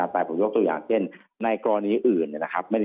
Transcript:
แต่ผมยกตัวอย่างเช่นในกรณีอื่นนะครับ